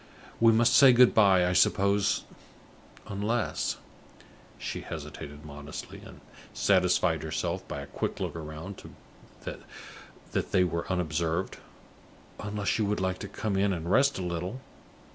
We must say good by, I suppose, unless" she hesitated modestly, and satisfied herself by a quick look round that they were unobserved "unless you would like to come in and rest a little?